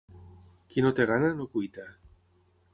Qui no té gana, no cuita.